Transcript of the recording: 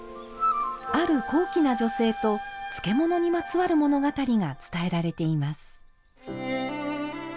ある高貴な女性と漬物にまつわる物語が伝えられています。